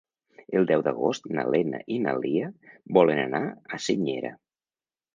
El deu d'agost na Lena i na Lia volen anar a Senyera.